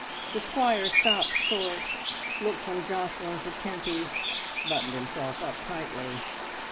The squire stopped short, looked from Josselin to Tempy, buttoned himself up tightly.